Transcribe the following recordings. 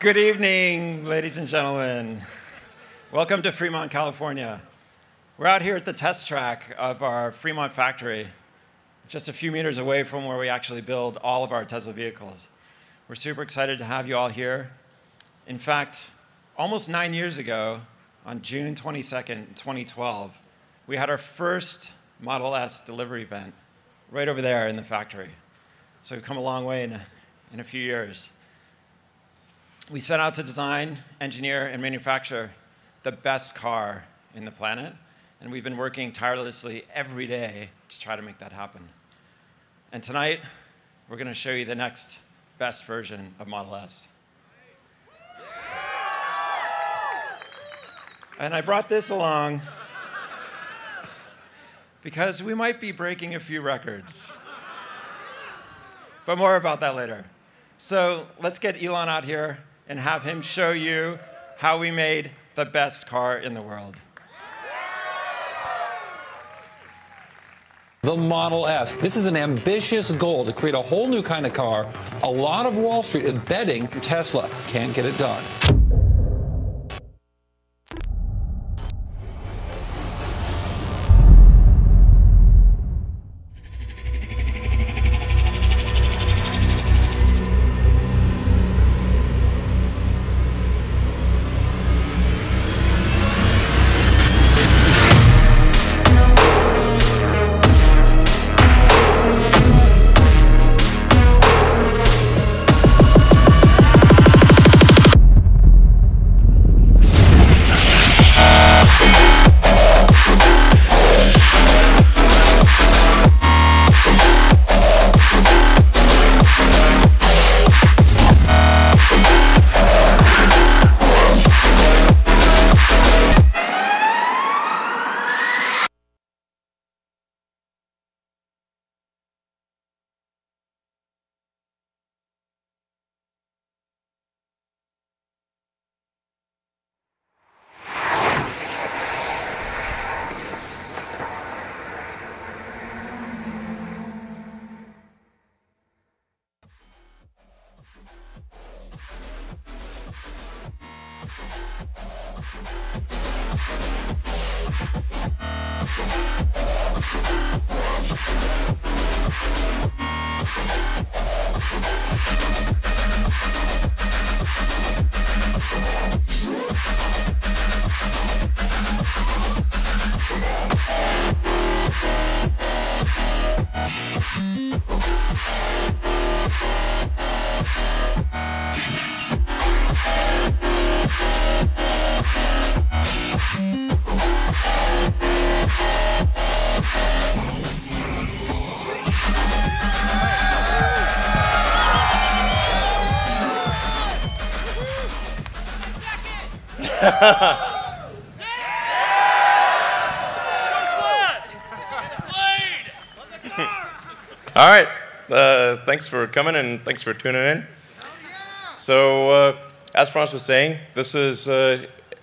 Good evening, ladies and gentlemen. Welcome to Fremont, California. We're out here at the test track of our Fremont factory, just a few meters away from where we actually build all of our Tesla vehicles. We're super excited to have you all here. In fact, almost nine years ago, on June 22nd, 2012, we had our first Model S delivery event right over there in the factory. We've come a long way in a few years. We set out to design, engineer, and manufacture the best car on the planet, and we've been working tirelessly every day to try to make that happen. Tonight, we're going to show you the next best version of Model S. I brought this along because we might be breaking a few records. More about that later. Let's get Elon out here and have him show you how we made the best car in the world. The Model S. This is an ambitious goal, to create a whole new kind of car. A lot of Wall Street is betting Tesla can't get it done. All right. Thanks for coming, and thanks for tuning in. As Franz was saying, this is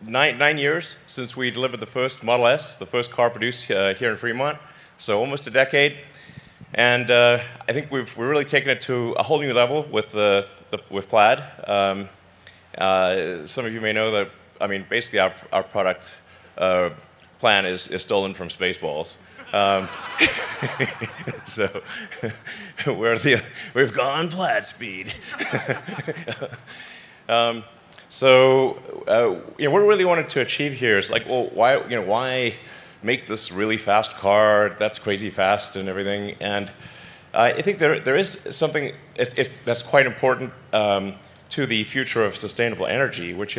nine years since we delivered the first Model S, the first car produced here in Fremont, so almost a decade. I think we've really taken it to a whole new level with Plaid. Some of you may know that, basically, our product plan is stolen from "Spaceballs." "We've gone Plaid speed." What we really wanted to achieve here is, why make this really fast car that's crazy fast and everything? I think there is something that's quite important to the future of sustainable energy, which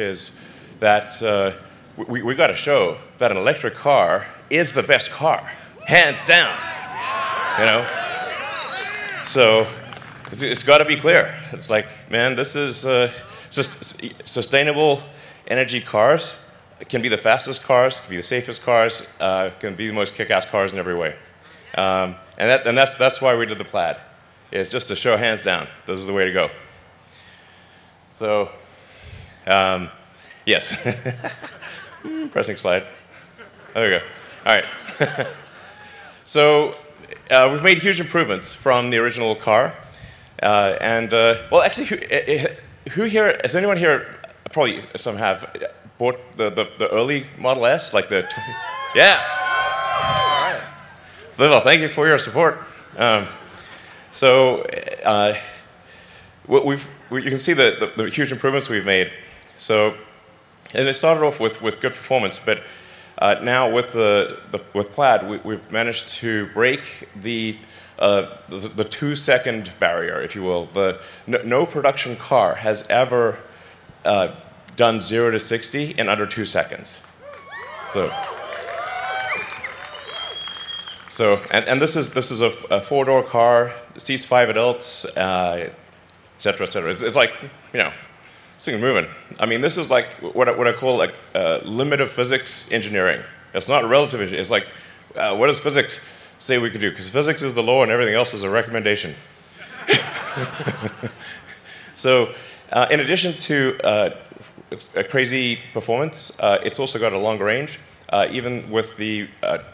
is that we've got to show that an electric car is the best car, hands down. Because it's got to be clear. It's like, sustainable energy cars can be the fastest cars, can be the safest cars, can be the most kickass cars in every way. That's why we did the Plaid, is just to show, hands down, this is the way to go. Yes. Pressing slide. There we go. All right. We've made huge improvements from the original car. Well, actually, has anyone here, probably some have, bought the early Model S? Yeah. Thank you for your support. You can see the huge improvements we've made. It started off with good performance, but now with Plaid, we've managed to break the two-second barrier, if you will. No production car has ever done zero to 60 in under two seconds. This is a four-door car, seats five adults, et cetera. It's like this thing moving. This is what I call limit of physics engineering. It's not relative. It's like, what does physics say we can do? Physics is the law and everything else is a recommendation. In addition to a crazy performance, it's also got a longer range. Even with the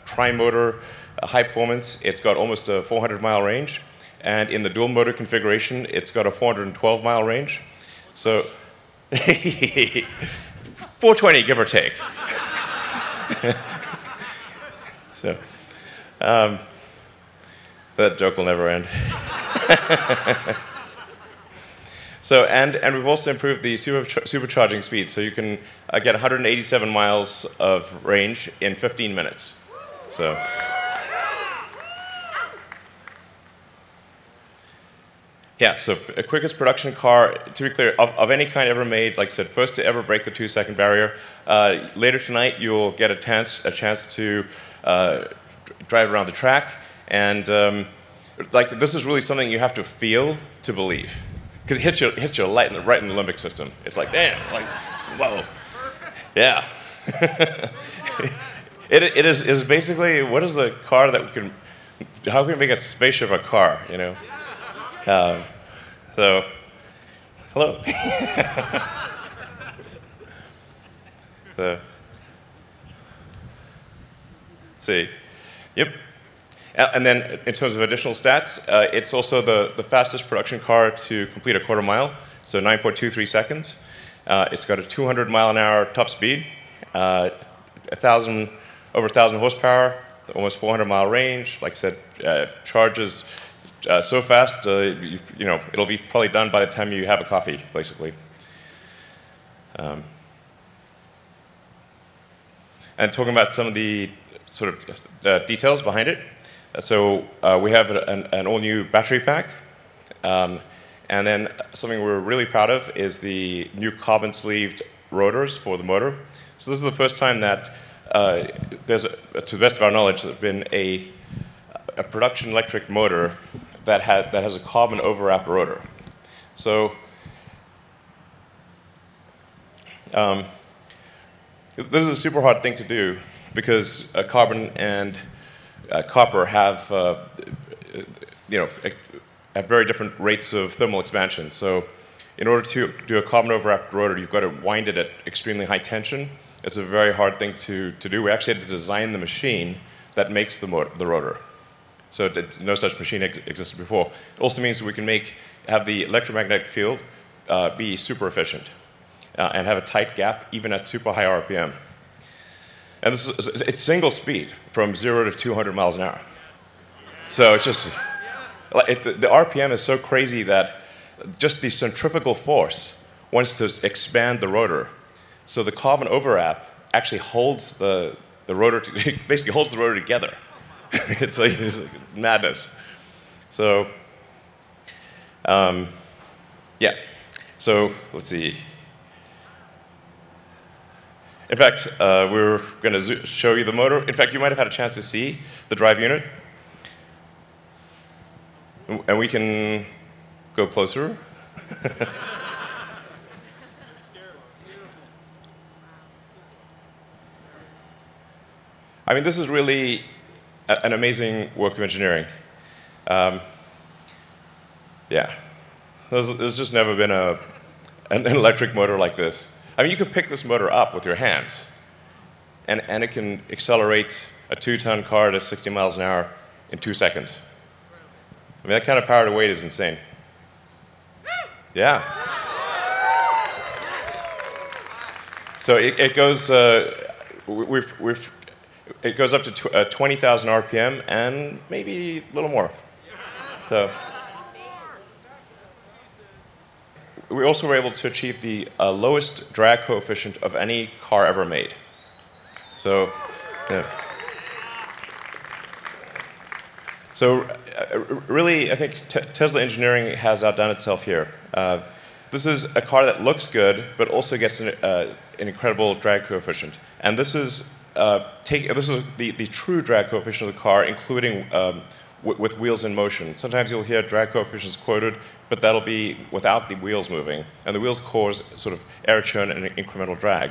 tri-motor high performance, it's got almost a 400-mile range, and in the dual motor configuration, it's got a 412-mile range. 420 miles, give or take. That joke will never end. We've also improved the Supercharging speed. You can get 187 miles of range in 15 minutes. Yeah. The quickest production car, to be clear, of any kind ever made. Like I said, first to ever break the two-second barrier. Later tonight, you'll get a chance to drive around the track. This is really something you have to feel to believe because it hits you right in the limbic system. It's like, damn. Whoa. Yeah. It is basically, how can we make a spaceship a car? Hello. Let's see. Yep. In terms of additional stats, it's also the fastest production car to complete a quarter mile, 9.23 seconds. It's got a 200 mile an hour top speed. Over 1,000 horsepower, almost 400-mile range. Like I said, it charges so fast, it'll be probably done by the time you have a coffee, basically. Talking about some of the details behind it. We have an all-new battery pack, and then something we're really proud of is the new carbon-sleeved rotors for the motor. This is the first time that, to the best of our knowledge, there's been a production electric motor that has a carbon overwrap rotor. This is a super hard thing to do because carbon and copper have very different rates of thermal expansion. In order to do a carbon overwrap rotor, you've got to wind it at extremely high tension. It's a very hard thing to do. We actually had to design the machine that makes the rotor. No such machine existed before. It also means we can have the electromagnetic field be super efficient and have a tight gap, even at super high RPM. It's single speed from zero to 200 miles an hour. Yeah. The RPM is so crazy that just the centrifugal force wants to expand the rotor. The carbon overwrap basically holds the rotor together. It's madness. Yeah. Let's see. In fact, we were going to show you the motor. In fact, you might have had a chance to see the drive unit, and we can go closer. It's beautiful. This is really an amazing work of engineering. Yeah. There's just never been an electric motor like this. You can pick this motor up with your hands, and it can accelerate a two-ton car to 60 miles an hour in two seconds. Wow. That kind of power to weight is insane. Yeah. It goes up to 20,000 RPM and maybe a little more. Yeah. A little more. We also were able to achieve the lowest drag coefficient of any car ever made. Really, I think Tesla engineering has outdone itself here. This is a car that looks good but also gets an incredible drag coefficient. This is the true drag coefficient of the car, including with wheels in motion. Sometimes you'll hear drag coefficients quoted, but that'll be without the wheels moving, and the wheels cause sort of air churn and incremental drag,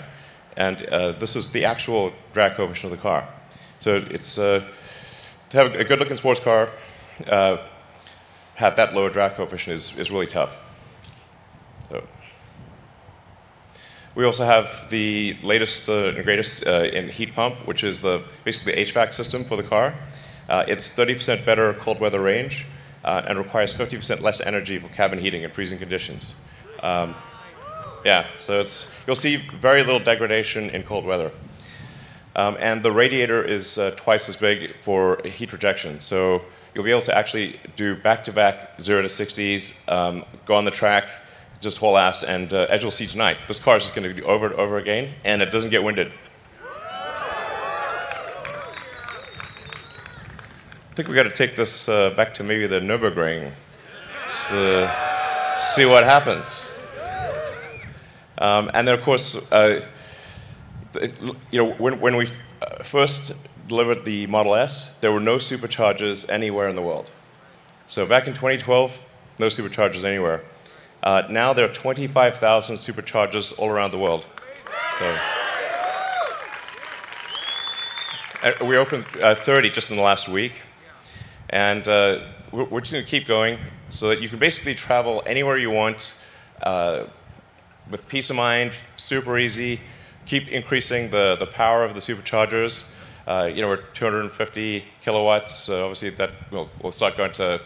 and this is the actual drag coefficient of the car. To have a good-looking sports car have that low drag coefficient is really tough. We also have the latest and greatest in heat pump, which is basically the HVAC system for the car. It's 30% better cold weather range and requires 50% less energy for cabin heating in freezing conditions. Yeah. You'll see very little degradation in cold weather. The radiator is twice as big for heat rejection. You'll be able to actually do back-to-back zero to 60s, go on the track, just full-ass, and as you'll see tonight, this car is just going to go over and over again, and it doesn't get winded. I think we've got to take this back to maybe the Nürburgring to see what happens. Of course, when we first delivered the Model S, there were no Superchargers anywhere in the world. Back in 2012, no Superchargers anywhere. Now there are 25,000 Superchargers all around the world. We opened 30 just in the last week. We're just going to keep going so that you can basically travel anywhere you want with peace of mind, super easy. Keep increasing the power of the Superchargers. We're at 250 kW, obviously we'll cycle up to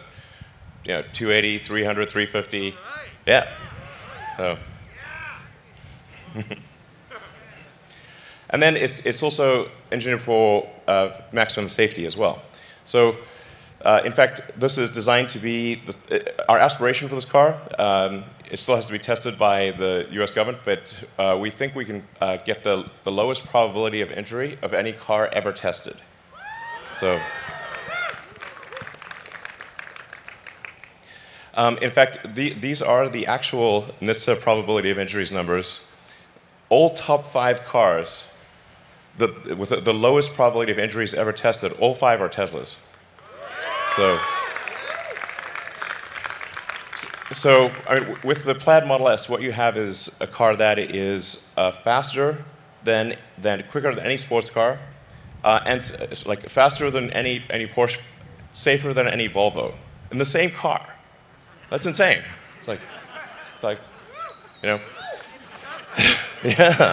280kW, 300kW, 350kW. Yeah. It's also engineered for maximum safety as well. In fact, our aspiration for this car, it still has to be tested by the U.S. government, but we think we can get the lowest probability of injury of any car ever tested. In fact, these are the actual NHTSA probability of injuries numbers. All top five cars with the lowest probability of injuries ever tested, all five are Teslas. With the Plaid Model S, what you have is a car that is quicker than any sports car, faster than any Porsche, safer than any Volvo, in the same car. That's insane. Yeah.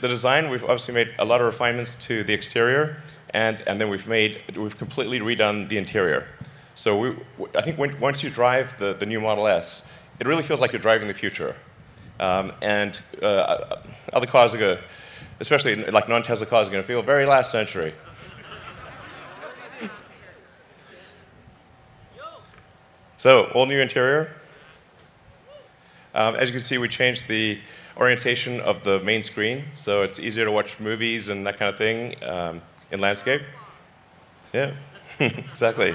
The design, we've obviously made a lot of refinements to the exterior, and then we've completely redone the interior. I think once you drive the new Model S, it really feels like you're driving the future. Other cars are going to, especially non-Tesla cars, are going to feel very last century. All-new interior. As you can see, we changed the orientation of the main screen, so it's easier to watch movies and that kind of thing in landscape. Yeah, exactly.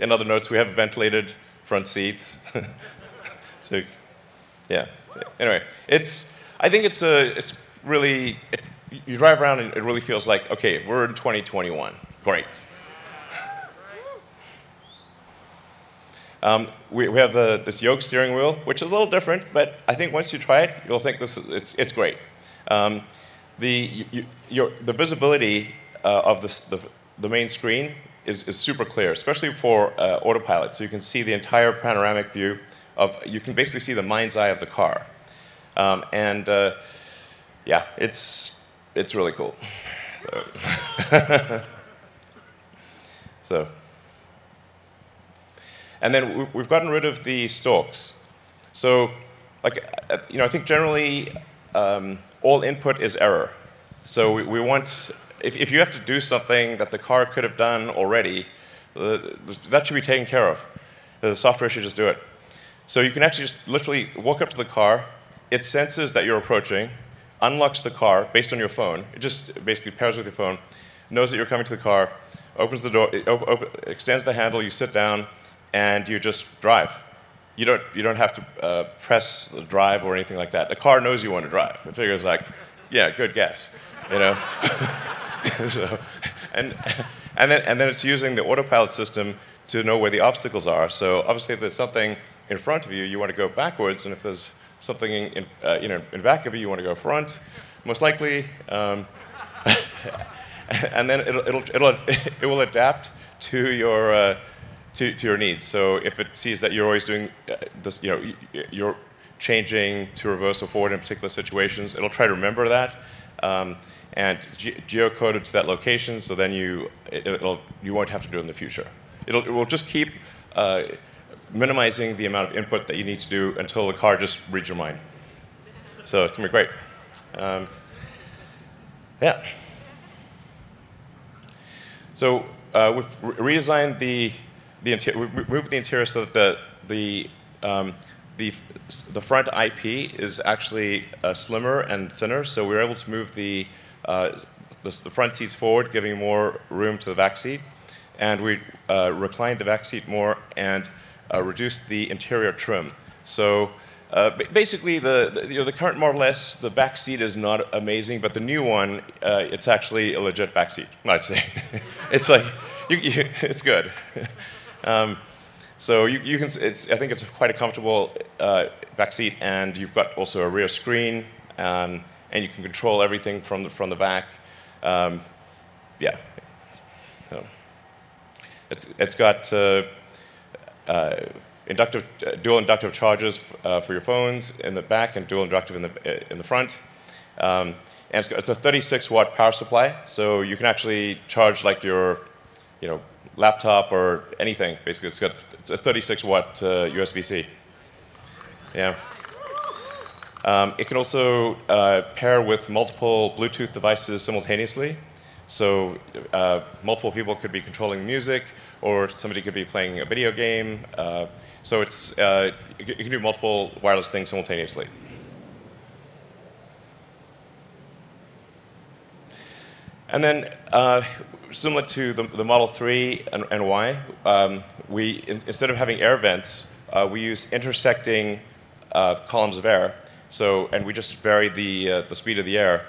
In other notes, we have ventilated front seats. Yeah. Anyway, I think you drive around in it, and it really feels like, okay, we're in 2021. Great. Yeah. We have this yoke steering wheel, which is a little different. I think once you try it, you'll think it's great. The visibility of the main screen is super clear, especially for Autopilot. You can see the entire panoramic view. You can basically see the mind's eye of the car. Yeah, it's really cool. We've gotten rid of the stalks. I think generally, all input is error. If you have to do something that the car could have done already, that should be taken care of. The software should just do it. You can actually just literally walk up to the car, it senses that you're approaching, unlocks the car based on your phone. It just basically pairs with your phone, knows that you're coming to the car, opens the door, extends the handle, you sit down, and you just drive. You don't have to press drive or anything like that. The car knows you want to drive. The figure is like, yeah, good guess. It's using the Autopilot system to know where the obstacles are. Obviously, if there's something in front of you want to go backwards, and if there's something in back of you want to go front, most likely. It will adapt to your needs. If it sees that you're changing to reverse or forward in particular situations, it'll try to remember that and geocode it to that location, you won't have to do it in the future. It will just keep minimizing the amount of input that you need to do until the car just reads your mind. It's going to be great. Yeah. We moved the interior so that the front IP is actually slimmer and thinner, so we were able to move the front seats forward, giving more room to the back seat, and we reclined the back seat more and reduced the interior trim. Basically, the current Model S, the back seat is not amazing, but the new one, it's actually a legit back seat, I'd say. It's good. I think it's a quite comfortable back seat, and you've got also a rear screen, and you can control everything from the back. Yeah. It's got dual inductive chargers for your phones in the back and dual inductive in the front. It's got a 36 W power supply, so you can actually charge your laptop or anything, basically. It's a 36 W USB-C. Yeah. It can also pair with multiple Bluetooth devices simultaneously. Multiple people could be controlling music or somebody could be playing a video game. You can do multiple wireless things simultaneously. Similar to the Model 3 and Y, instead of having air vents, we use intersecting columns of air. We just vary the speed of the air.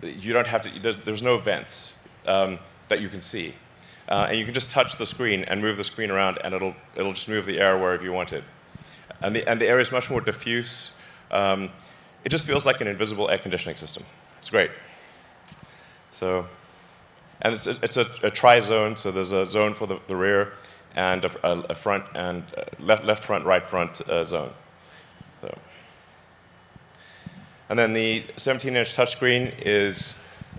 There's no vents that you can see. You can just touch the screen and move the screen around, and it'll just move the air wherever you want it. The air is much more diffuse. It just feels like an invisible air conditioning system. It's great. It's a tri-zone, so there's a zone for the rear and a left front, right front zone. The 17-inch touchscreen,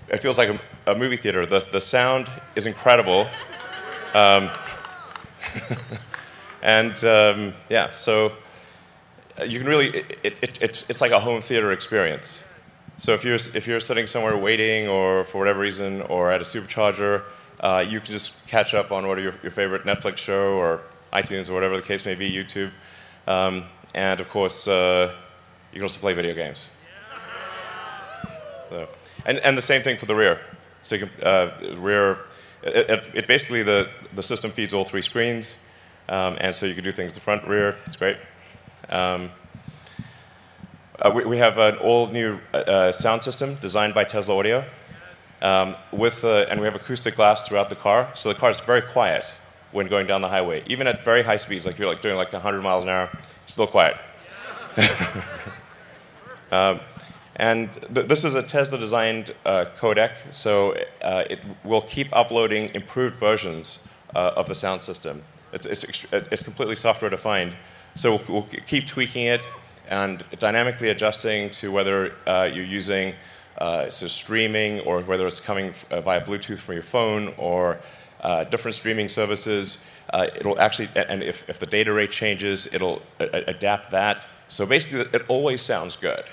it feels like a movie theater. The sound is incredible. It's like a home theater experience. If you're sitting somewhere waiting or for whatever reason, or at a Supercharger, you can just catch up on your favorite Netflix show or iTunes or whatever the case may be, YouTube. Of course, you can also play video games. The same thing for the rear. Basically, the system feeds all three screens, and so you can do things at the front and rear. It's great. We have an all-new sound system designed by Tesla Audio. We have acoustic glass throughout the car, so the car's very quiet when going down the highway. Even at very high speeds, if you're doing 100-mile an hour, still quiet. This is a Tesla-designed codec, so we'll keep uploading improved versions of the sound system. It's completely software-defined, so we'll keep tweaking it and dynamically adjusting to whether you're using streaming or whether it's coming via Bluetooth from your phone or different streaming services. If the data rate changes, it'll adapt that. Basically, it always sounds good.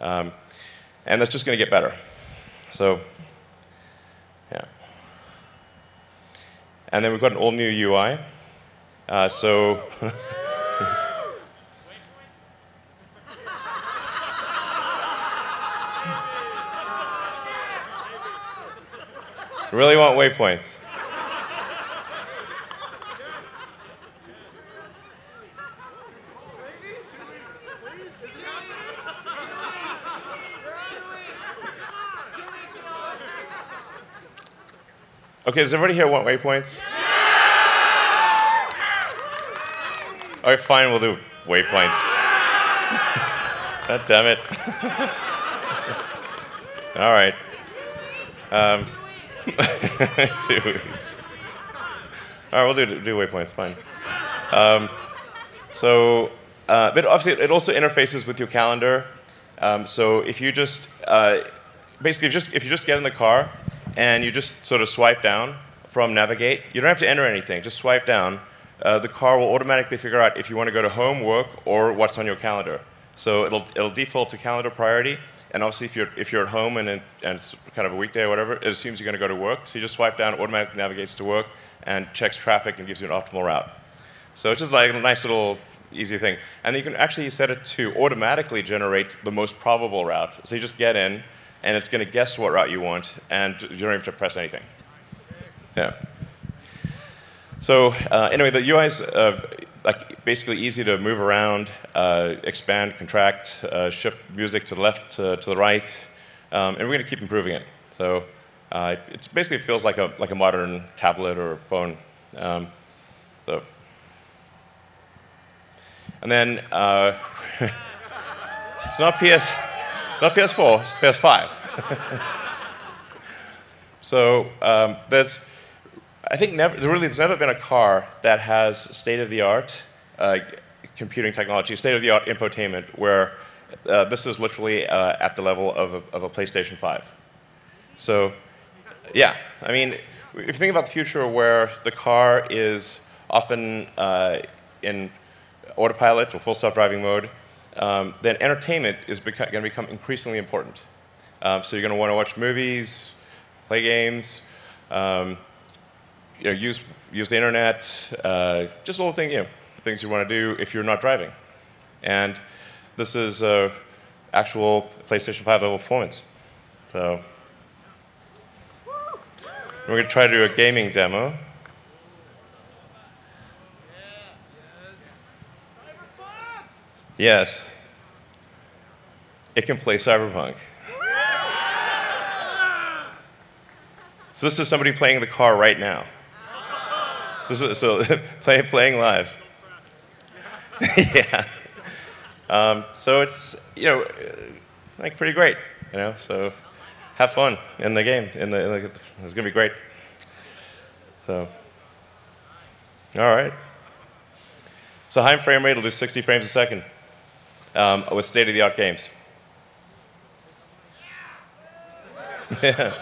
It's just going to get better. Yeah. Then we've got an all-new UI. Waypoints. We really want waypoints. Okay, does everybody here want waypoints? Yeah. All right, fine. We'll do waypoints. Yeah. Goddammit. All right. Please. Two of them. Come on. All right, we'll do waypoints. Fine. Yeah. It also interfaces with your calendar. Basically, if you just get in the car and you just swipe down from Navigate, you don't have to enter anything. Just swipe down. The car will automatically figure out if you want to go to home, work, or what's on your calendar. It'll default to calendar priority. If you're at home and it's a weekday, whatever, it assumes you're going to go to work. You just swipe down, it automatically navigates to work and checks traffic and gives you an optimal route. It's just a nice little easy thing. You can actually set it to automatically generate the most probable route. You just get in, and it's going to guess what route you want, and you don't have to press anything. The UI is basically easy to move around, expand, contract, shift music to the left, to the right. We're going to keep improving it. It basically feels like a modern tablet or a phone. It's not PlayStation 4, it's PlayStation 5. There has never been a car that has state-of-the-art computing technology, state-of-the-art infotainment, where this is literally at the level of a PlayStation 5. Yeah. If you think about a future where the car is often in Autopilot or Full Self-Driving mode, then entertainment is going to become increasingly important. You're going to want to watch movies, play games, use the Internet, just little things you want to do if you're not driving. This is an actual PlayStation 5 level of performance. We're going to try to do a gaming demo. Yes. It can play Cyberpunk. This is somebody playing in the car right now. Oh. They're playing live. Yeah. It's pretty great. Have fun in the game. It's going to be great. All right. High frame rate, it'll do 60 frames a second with state-of-the-art games. Yeah.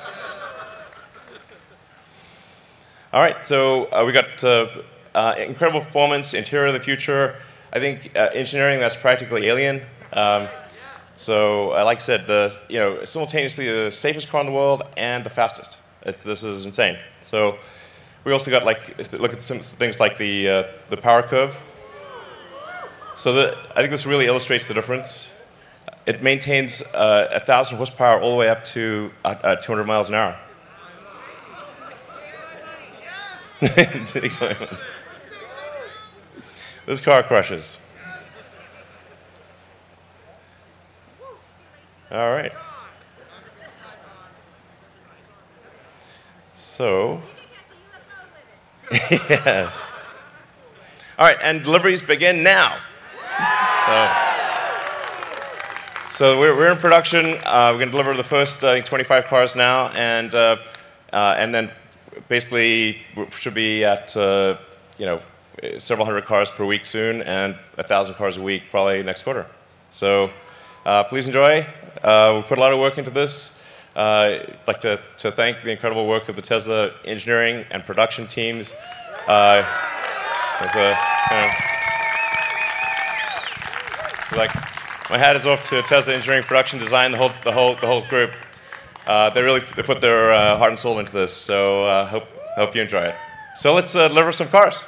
All right. We've got incredible performance, the interior of the future, I think engineering that's practically alien. Like I said, it's simultaneously the safest car in the world and the fastest. This is insane. We also got some things like the power curve. I think this really illustrates the difference. It maintains 1,000 horsepower all the way up to 200 miles an hour. This car crushes. All right. God. Can we have it? Yes. All right, deliveries begin now. Yeah. We're in production. We're going to deliver the first 25 cars now, and then basically we should be at several hundred cars per week soon, and 1,000 cars a week probably next quarter. Please enjoy. We put a lot of work into this. I'd like to thank the incredible work of the Tesla engineering and production teams. My hat is off to the Tesla engineering, production design, the whole group. They really put their heart and soul into this, so hope you enjoy it. Let's deliver some cars.